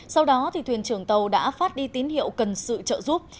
sau đó thì thuyền trường tàu đã phát đi tín hiệu cần sự trợ giúp